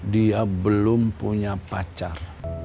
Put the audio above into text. dia belum punya pacar